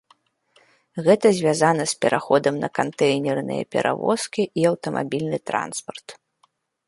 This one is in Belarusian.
Гэта звязана з пераходам на кантэйнерныя перавозкі і аўтамабільны транспарт.